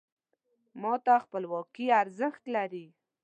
ما ته خپلواکي ارزښت لري .